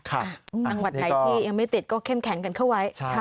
จังหวัดไหนที่ยังไม่ติดก็เข้มแข็งกันเข้าไว้